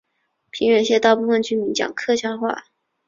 平远县大部分居民讲客家话。